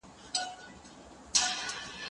زه پرون کتابونه ليکم!.